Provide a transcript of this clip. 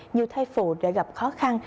nhiều thay phụ đã gặp khó khăn